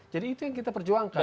jadi itu yang kita perjuangkan